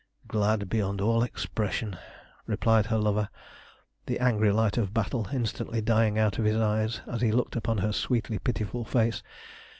"Glad beyond all expression," replied her lover, the angry light of battle instantly dying out of his eyes as he looked upon her sweetly pitiful face.